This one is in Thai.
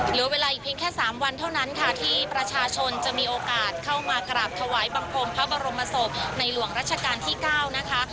เหลือเวลาอีกเพียงแค่๓วันเท่านั้นค่ะที่ประชาชนจะมีโอกาสเข้ามากราบถวายบังคมพระบรมศพในหลวงรัชกาลที่๙นะคะ